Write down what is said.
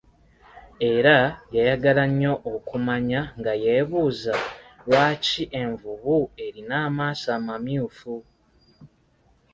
Era yayagala nnyo okumanya nga ye buuza, lwaki envubu erina amaaso amamyufu?